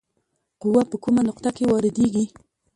قوه په کومه نقطه کې واردیږي؟